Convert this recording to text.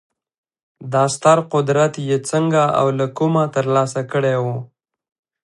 دا ستر قدرت یې څنګه او له کومه ترلاسه کړی و